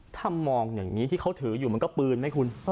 ถ้ามองอย่างนี้ที่เขาถืออยู่มันก็ปืนไหมคุณ